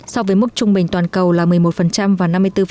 so với mức trung bình toàn cầu là một mươi một và năm mươi bốn